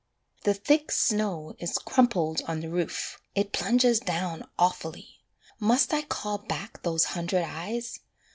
The thick snow is crumpled on the roof, it plunges down Awfully. Must I call back those hundred eyes?